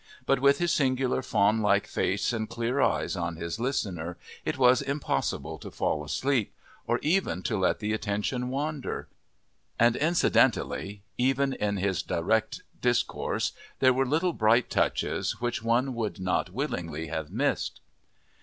But with his singular fawn like face and clear eyes on his listener it was impossible to fall asleep, or even to let the attention wander; and incidentally even in his driest discourse there were little bright touches which one would not willingly have missed.